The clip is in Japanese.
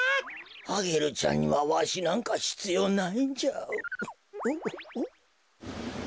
アゲルちゃんにはわしなんかひつようないんじゃ。